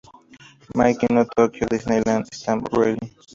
Mickey no Tokyo Disneyland Stamp Rally